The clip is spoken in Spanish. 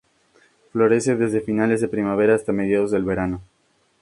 Florece desde finales de primavera hasta mediados del verano.